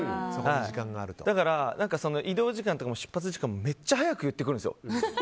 だから、移動時間とか出発時間もめっちゃ早く言ってくるんですよ。